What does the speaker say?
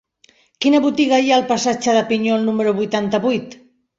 Quina botiga hi ha al passatge de Pinyol número vuitanta-vuit?